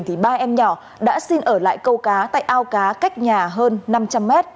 thì ba em nhỏ đã xin ở lại câu cá tại ao cá cách nhà hơn năm trăm linh m